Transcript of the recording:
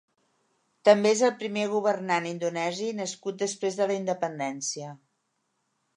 També és el primer governant indonesi nascut després de la independència.